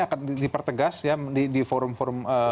akan dipertegas ya di forum forum